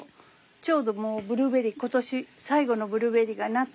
ちょうどブルーベリー今年最後のブルーベリーがなってるよ。